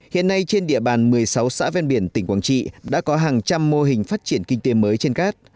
hiện nay trên địa bàn một mươi sáu xã ven biển tỉnh quảng trị đã có hàng trăm mô hình phát triển kinh tế mới trên cát